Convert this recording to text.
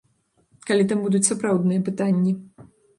Калі там будуць сапраўдныя пытанні.